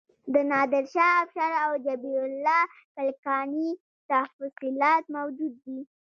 د نادر شاه افشار او حبیب الله کلکاني تفصیلات موجود دي.